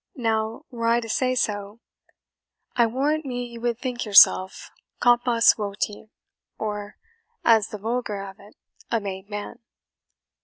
Now, were I to say so, I warrant me you would think yourself COMPOS VOTI, or, as the vulgar have it, a made man."